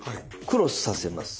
クロスさせます。